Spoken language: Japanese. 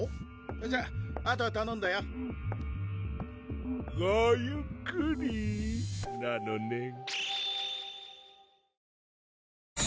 じゃああとはたのんだよごゆっくりなのねん